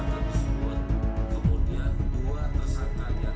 kemudian yang kedua